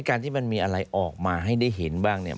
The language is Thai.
การที่มันมีอะไรออกมาให้ได้เห็นบ้างเนี่ย